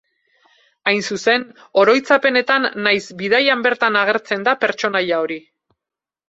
Hain zuzen, oroitzapenetan nahiz bidaian bertan agertzen da pertsonaia hori.